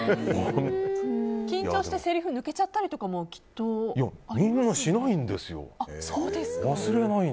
緊張してせりふが抜けちゃったりとかもみんなしないんですよ。